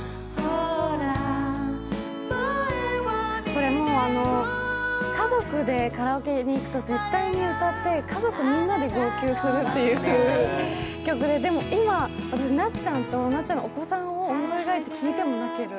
これも家族でカラオケに行くと絶対に歌って、家族みんなで号泣するっていう曲で、でも、今、なっちゃんと、なっちゃんのお子さんを思い描いて聴いても泣ける。